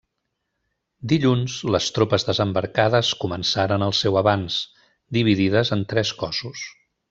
Dilluns, les tropes desembarcades començaren el seu avanç, dividides en tres cossos.